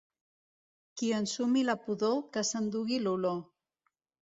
Qui ensumi la pudor, que s'endugui l'olor.